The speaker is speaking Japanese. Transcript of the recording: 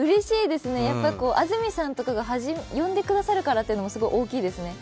やっぱり安住さんとかが呼んでくださるからというのもすごい大きいですね。